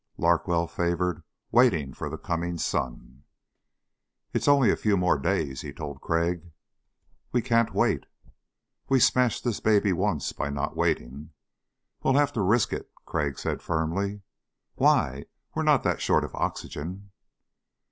Larkwell favored waiting for the coming sun. "It's only a few more days," he told Crag. "We can't wait." "We smashed this baby once by not waiting." "Well have to risk it," Crag said firmly. "Why? We're not that short of oxygen."